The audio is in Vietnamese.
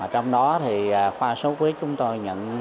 trong đó khoa xuất huyết chúng tôi